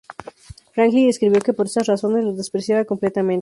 Franklin escribió que por esas razones lo despreciaba completamente.